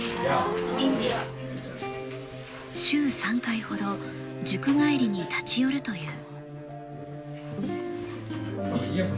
週３回ほど塾帰りに立ち寄るという。